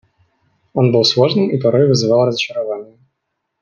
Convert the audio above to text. Он был сложным и порой вызывал разочарование.